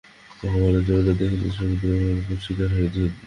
মহামান্য, যেমনটা দেখছেনই, সমুদ্র আমাদের ভরপুর শিকার দিয়েছে।